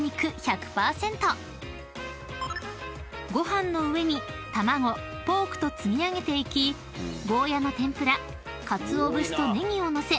［ご飯の上にたまごポークと積み上げていきゴーヤの天ぷら鰹節とねぎを載せ